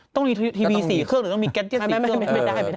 ต้องมีทีวี๔เครื่องหรือต้องมีแก๊ส๒๔เครื่องไม่ไม่ได้ไม่ได้